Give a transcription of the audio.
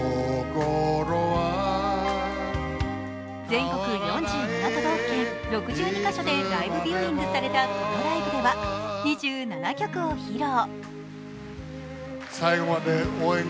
全国４７都道府県、６２カ所でライブビューイングされたこのライブでは２７曲を披露。